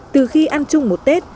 từ khi ăn chung một tết